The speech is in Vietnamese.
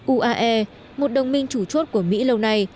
uae một đồng minh chủ chốt của mỹ lâu nay